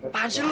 tahan sih loh